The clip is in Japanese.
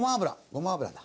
ごま油だ。